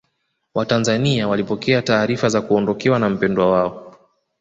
watanzania walipokea taarifa za kuondokewa na mpendwa wao